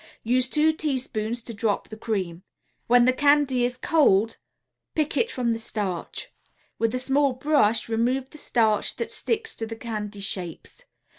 Use two teaspoons to drop the cream. When the candy is cold, pick it from the starch. With a small brush remove the starch that sticks to the candy shapes.